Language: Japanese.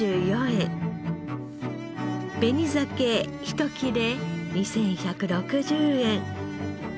紅鮭１切れ２１６０円。